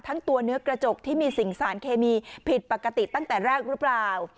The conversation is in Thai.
ตัวเนื้อกระจกที่มีสิ่งสารเคมีผิดปกติตั้งแต่แรกหรือเปล่า